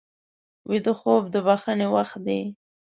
ویده خوب د بښنې وخت دی